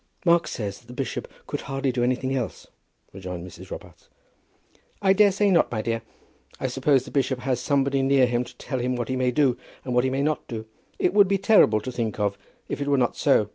"Mark says that the bishop could hardly do anything else," rejoined Mrs. Robarts. "I daresay not, my dear. I suppose the bishop has somebody near him to tell him what he may do, and what he may not do. It would be terrible to think of, if it were not so.